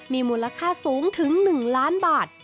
มีมูลค่าสูงถึง๑ล้านบาท